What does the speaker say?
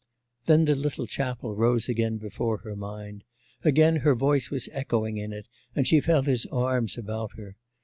Then the little chapel rose again before her mind, again her voice was echoing in it, and she felt his arms about her.